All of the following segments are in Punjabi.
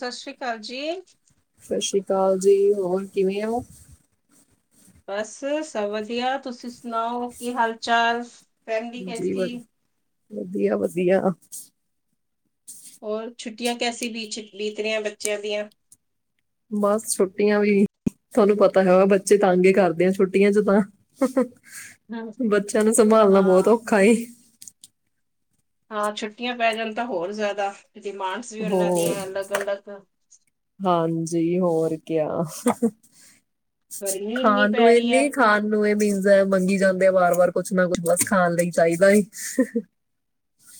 ਸਤਿ ਸ੍ਰੀ ਅਕਾਲ ਜੀ, ਸਤਿ ਸ੍ਰੀ ਅਕਾਲ ਜੀ ਹੋਰ ਕਿਵੇਂ ਓ? ਬਸ ਸਭ ਵਧੀਆ, ਤੁਸੀਂ ਸੁਣਾਓ ਕੀ ਹਾਲ-ਚਾਲ? ਜੀ ਵ-ਵਧੀਆ-ਵਧੀਆ। ਰ ਛੁੱਟੀਆਂ ਕੈਸੀ ਬੀਤ ਰਹੀਆਂ ਬੱਚਿਆਂ ਦੀਆਂ? ਬਸ ਛੁੱਟੀਆਂ ਵੀ, ਤੁਹਾਨੂੰ ਪਤਾ ਹੈਗਾ ਬੱਚੇ ਤੰਗੇ ਕਰਦੇ ਆ ਛੁੱਟੀਆਂ ਚ ਤਾਂ ਹਮ, ਬੱਚਿਆਂ ਨੂੰ ਸੰਭਾਲਣਾ ਬਹੁਤ ਹਾਂ ਔਖਾ ਏ ਹਾਂ ਛੁੱਟੀਆਂ ਪੈ ਜਾਣ ਤਾਂ ਹੋਰ ਜ਼ਿਆਦਾ ਡਿਮਾਂਡਸ ਵੀ ਉਹਨਾਂ ਹੋਰ ਦੀਆਂ ਅਲੱਗ- ਅਲੱਗ ਹਾਂਜੀ, ਹੋਰ ਕਿਆ। ਗਰਮੀ ਇੰਨੀ ਖਾਣ ਨੂੰ ਪੈ ਇਹ ਰਹੀ ਹੈ ਨਹੀਂ, ਖਾਣ ਨੂੰ ਇਹ ਮਿਨਸ ਮਂਗੀ ਜਾਂਦੇ ਵਾਰ ਵਾਰ ਕੁਛ ਨਾ ਕੁਛ ਬਸ ਖਾਣ ਲਈ ਚਾਹੀਦਾ ਏ।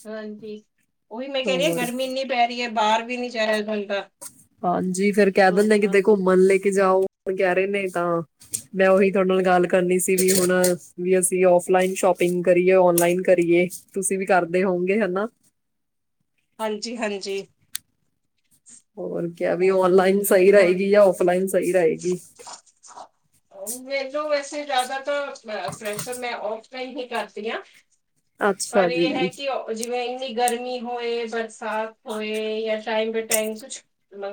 ਹਾਂਜੀ, ਉਹੀ ਮੈਂ ਕਹਿ ਰਹੀ ਹਾਂ ਹੋਰ ਗਰਮੀ ਇੰਨੀ ਪੈ ਰਹੀ ਹੈ। ਬਾਹਰ ਵੀ ਨੀ ਜਾਯਾ ਜਾ ਹਾਂਜੀ, ਫੇਰ ਕਹਿ ਦਿੰਦੇ ਕਿਤੇ ਘੁੰਮਣ ਲੈ ਕੇ ਜਾਓ। ਹੁਣ ਕਹਿ ਰਹੇ ਨੇ ਤਾਂ, ਮੈਂ ਓਹੀ ਤੁਹਾਡੇ ਨਾਲ ਗੱਲ ਕਰਨੀ ਸੀ ਵੀ ਹੁਣ, ਵੀ ਅਸੀਂ ਓਫਲਾਈਨ ਸ਼ੋਪਿੰਗ ਕਰੀਏ, ਓਨਲਾਈਨ ਕਰੀਏ ਤੁਸੀਂ ਵੀ ਕਰਦੇ ਹੋਗੇ ਹੈਨਾ। ਹਾਂਜੀ ਹਾਂਜੀ। ਹੋਰ ਕਿਆ ਵੀ ਔਨਲਾਈਨ ਸਹੀ ਰਹੇਗੀ ਯਾਂ ਔਫਲਾਈਨ ਸਹੀ ਰਹੇਗੀ। ਮੈਨੂੰ ਵੈਸੇ ਜ਼ਿਆਦਾ ਤਾਂ ਪ੍ਰੈਸ਼ਰ ਮੈਂ ਔਫ ਤ ਹੀ ਕਰਦੀ ਆ ਅੱਛਾ ਪਰ ਇਹ ਹੈ ਜੀ ਕਿ ਉਹ ਜਿਵੇਂ ਗਰਮੀ ਹੋਏ, ਬਰਸਾਤ ਹੋਏ, ਜਾਂ ਟਾਈਮ ਬੇ ਟਾਈਮ ਕੁਛ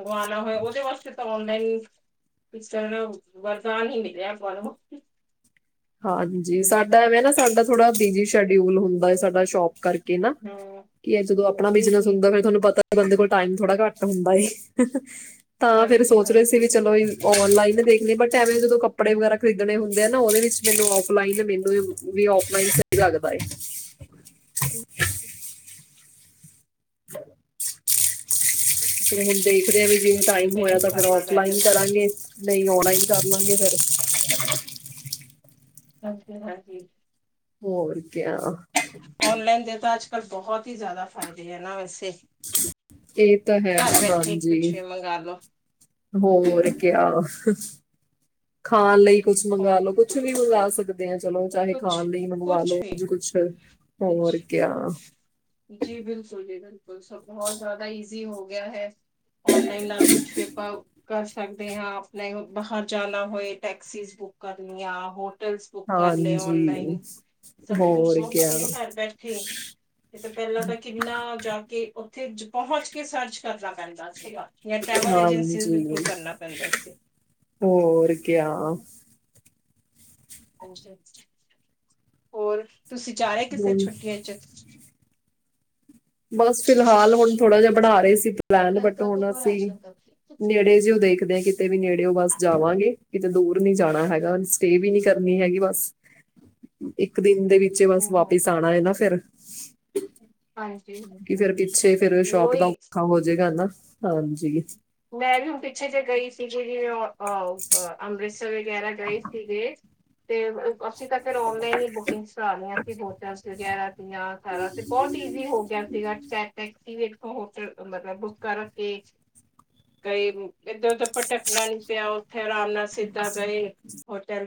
ਖ਼ਾਣਾ ਹੋਏ ਉਹਦੇ ਵਾਸਤੇ ਤਾਂ ਨਹੀਂ, ਇੰਸਟਾਗ੍ਰਾਮ ਵਰਦਾਨ ਹੀ ਮਿਲਆ ਬਾਹਰੋ। ਹਾਂਜੀ, ਸਾਡਾ ਇਵੇੈ ਨਾ, ਸਾਡਾ ਥੋੜਾ ਬਿਜੀ ਸ਼ਡਿਊਲ ਹੁੰਦਾ ਹੈ, ਸਾਡਾ ਸ਼ੋਪ ਕਰਕੇ ਇਨਾ ਹਮ ਕਿ ਇਹ ਜਦੋਂ ਆਪਣਾ ਜੀ ਬਿਜਨਸ ਜੀ ਹੁੰਦਾ ਫਿਰ ਤੁਹਾਨੂੰ ਪਤਾ ਬੰਦੇ ਕੋਲ ਟਾਈਮ ਥੋੜਾ ਘੱਟ ਹੁੰਦਾ ਏ। ਤਾਂ ਫਿਰ ਹਾਂਜੀ ਸੋਚ ਰਹੇ ਸੀ ਵੀ ਹਾਂਜੀ ਚਲੋ ਓਨ ਲਾਈਨ ਮੈਂ ਦੇਖਣੀ ਆ, ਬਟ ਐਵੇਂ ਜਦੋਂ ਕੱਪੜੇ ਵਗੈਰਾ ਖਰੀਦਣੇ ਹੁੰਦੇ ਆ ਨਾ, ਉਹਦੇ ਵਿੱਚ ਮੈਨੂੰ ਓਫਲਾਈਨ ਮਿਲ ਜੇ ਵੀ ਓਫਲਾਈਨ ਸਹੀ ਲੱਗਦਾ ਹੈ। [unintelligible] ਦੇਖਦੇ ਹਾਂ ਵੀ ਜਿਵੇਂ ਟਾਈਮ ਹੋਇਆ ਮੇਰੇ ਤਾਂ ਫਿਰ ਹਿਸਾਬ ਨਾਲ ਓਫਲਾਈਨ ਬੈਟਰ ਕਰਦੇ ਕਰਾਂਗੇ, ਨਹੀਂ ਓਣਲਾਈਨ। ਕਰ ਲਾਂਗੇ ਫਿਰ। [unintelligible] ਹਾਂਜੀ ਹੋਰ ਕਿਆ। ਉਨਲਾਈਨ ਦੇ ਤਾਂ ਅੱਜ ਕੱਲ੍ਹ ਬਹੁਤ ਹੀ ਜ਼ਿਆਦਾ ਫਾਇਦੇ ਆ ਨਾ ਵੈਸੇ। ਇਹ ਤਾਂ ਹੈ, ਘਰ ਬੈਠੇ ਹਾਂਜੀ ਕੁਛ ਵੀ ਮੰਗਾ ਲੋ ਹੋਰ ਕਿਆ। ਖਾਣ ਲਈ ਕੁਛ ਮੰਗਾ ਹੋਰ ਲੋ, ਕੁੱਛ ਵੀ ਮੰਗਾ ਸਕ ਚਲੋ ਚਾਹੇ ਕੁਛ ਖਾਣ ਲਈ ਮੰਗਵਾ ਕੁਛ ਲੋ ਵੀ ਕੁਛ, ਜੀ ਹੋਰ ਕਿਆ। ਸ ਬਹੁਤ ਜ਼ਿਆਦਾ ਈਜ਼ੀ ਹੋ ਗਿਆ ਹੈ। ਉਨਲਾਈਨ ਨਾਲ ਕੁਛ ਵੀ ਪਾਓ। ਕਰ ਸਕਦੇ ਹਾਂ, ਆਪਣੇ ਬਾਹਰ ਜਾਣਾ ਹੋਏ ਟੈਕਸੀਜ਼ ਬੁੱਕ ਕਰਨੀਆਂ ਹੋ ਟਲ ਬੁੱਕ ਕਰ ਹਾਂਜੀ ਓਨਲਾਈਨ ਸਭ ਕੁਛ ਹੋਰ ਕਿਆ ਸੋਹਤੀਰੇ ਘਰ ਬੈਠੇ ਇਹ ਤਾਂ ਪਹਿਲਾਂ ਤਾਂ ਕਿੰਨਾ ਜਾ ਕੇ ਤੂ ਪਹੁੰਚ ਕੇ ਸਰਚ ਕਰਨਾ ਪੈਂਦਾ ਸੀਗਾ। ਜਾਂ ਟੈਵਲ ਏਜੰਸੀ ਉਸ ਦੇ ਹਾਂਜੀ ਥਰੂ ਕਰਨਾ ਪੈਂਦਾ ਸੀ। ਹੋਰ ਕਿਆ ਹੋਰ। ਤੁਸੀਂ ਜਾਰੇ ਕਿਥੇ ਹੁਣ ਛੁੱਟਟੀ ਚ ਬਸ ਫਿਲਹਾਲ ਹੁਣ ਥੋੜਾ ਜਿਹਾ ਬਣਾ ਰਹੇ ਸੀ। ਪਲੈਨ ਬਟ ਹੁਣ ਅਸੀਂ ਨੇੜੇ ਜਿ ਓ ਦੇਖਦੇ ਹਾਂ ਕਿਤੇ ਵੀ ਨੇੜੇਓ ਬਸ ਜਾਵਾਂਗੇ। ਕਿਤੇ ਦੂਰ ਨਹੀ ਜਾਣਾ ਹੈਗਾ, ਸਟੇਅ ਵੀ ਨਹੀ ਕਰਨੀ ਹੈਗੀ ਬਸ ਇੱਕ ਦਿਨ ਇਕ ਦਿਨ ਦੇ ਵਿੱਚ ਬਸ ਹੂੰ, ਹੂੰ, ਵਾਪਿਸ ਆਉਣਾ ਹੈ ਨਾ, ਫਿਰ ਹਾਂਜੀ। ਕਿਉਂਕਿ ਫੇਰ ਪਿੱਛੇ ਫੇਰ ਤੇ ਸ਼ੋਪ ਦਾ ਉਹੀ ਔਖਾ ਹੋਜੇਗਾ ਹਨਾ। ਹਾਂਜੀ। ਮੈਂ ਵੀ ਹੁਣ ਪਿੱਛੇ ਜੇ ਗਈ ਸੀ, ਓ ਅੰਮ੍ਰਿਤਸਰ ਵਗੈਰਾ ਗਈ ਸੀਗੇ। ਤੇ ਅਸੀਂ ਤਾਂ ਫੇਰ ਔਨਲਾਈਨ ਹੀ ਬੁਕਿੰਗ ਕਰਾਲੀਆ ਸੀ ਹੋਟਲ ਵਗੈਰਾ। ਸਾਰਾ ਤੇ ਬਹੁਤ ਈਜ਼ੀ ਹੋ ਗਿਆ ਸੀਗਾ, ਚੈਕ ਐਕਟੀਵੇਟ ਓ ਹੋਟਲ ਮਤਲਬ ਬੁੱਕ ਕਰ ਕੇ ਕਈ ਇੱਧਰ-ਉਧਰ ਭਟਕਣਾ ਨੀ ਪਿਆ ਉੱਥੇ ਆਰਾਮ ਨਾਲ ਸਿੱਧਾ ਗਏ ਹੋਟਲ